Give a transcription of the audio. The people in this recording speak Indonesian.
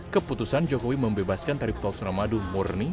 keputusan jokowi membebaskan tarif tauksonamadu murni